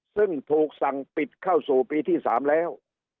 ซึ่งถูกสั่งปิดเข้าสู่ปีที่๓แล้ว